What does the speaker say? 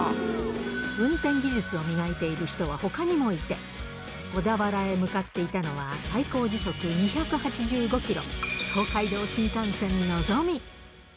運転技術を磨いている人はほかにもいて、小田原へ向かっていたのは、最高時速２８５キロ、東海道新幹線のぞみ。